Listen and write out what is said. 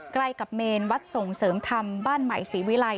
ใกล้กับเมนวัดส่งเสริมธรรมบ้านใหม่ศรีวิลัย